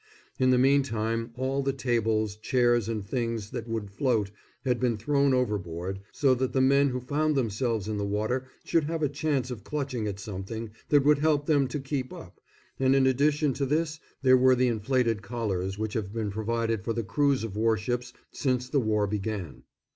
In the meantime all the tables, chairs and things that would float had been thrown overboard, so that the men who found themselves in the water should have a chance of clutching at something that would help them to keep up, and in addition to this there were the inflated collars which have been provided for the crews of warships since the war began.